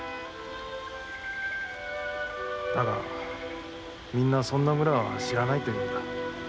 だがみんなそんな村は知らないと言うんだ。